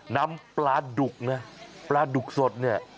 นำปลาดุกนะปลาดุกสดเนี่ย